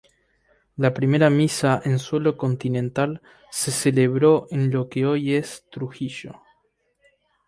La primera misa en suelo continental se celebró en lo que hoy es Trujillo.